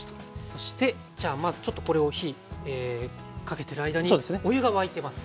そしてじゃあちょっとこれを火かけてる間にお湯が沸いてます。